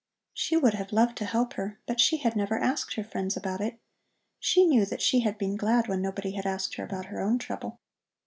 She would have loved to help her, but she had never asked her friends about it. She knew that she had been glad when nobody had asked her about her own trouble.